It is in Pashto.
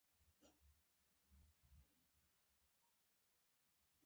د سارې لاس خوږ دی دومره خوندور خواړه چمتو کوي، چې پرې مړېږي نه.